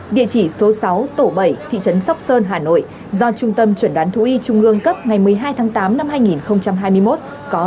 địa chỉ số sáu tổ bảy thị trấn sóc sơn hà nội do trung tâm chuẩn đoán thú y trung ương cấp ngày một mươi hai tháng tám năm hai nghìn hai mươi một có dấu hiệu giả mạo